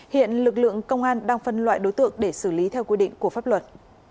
hiện lực lượng công an đang phân loại đối tượng để xử lý theo quy định của pháp luật